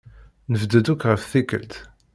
Nebded akk ɣef tikkelt.